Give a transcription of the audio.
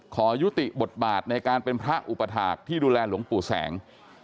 ขอยุติบทบาทในการเป็นพระอุปถาคที่ดูแลหลวงปู่แสง